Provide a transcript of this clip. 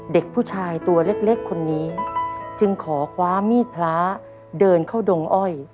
เด็กผู้ชายตัวเล็กคนนี้จึงขอคว้ามีดพระเดินเข้าดงอ้อย